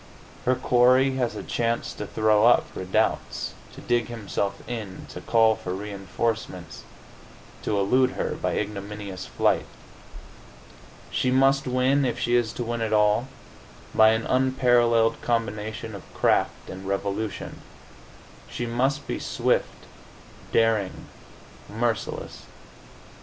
Her quarry has a chance to throw up redoubts, to dig himself in, to call for reinforcements, to elude her by ignominious flight. She must win, if she is to win at all, by an unparalleled combination of craft and resolution. She must be swift, daring, merciless.